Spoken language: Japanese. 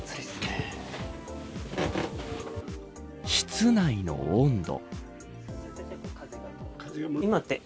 室内の温度。